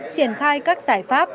triển khai các giải pháp